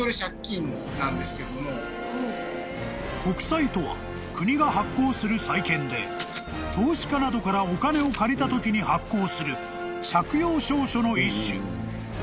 ［国債とは国が発行する債券で投資家などからお金を借りたときに発行する借用証書の一種］